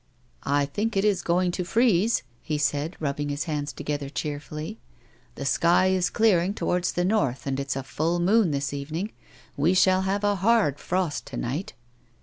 " I think it is going to freeze," he said, rubbing his hands together cheerfully. "The sky is clearing towards the north, and it's a full moon this evening. We shall have a hard frost to night."